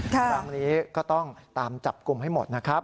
ครั้งนี้ก็ต้องตามจับกลุ่มให้หมดนะครับ